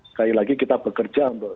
sekali lagi kita bekerja untuk